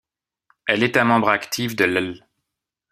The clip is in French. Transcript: Elle est un membre actif de l'.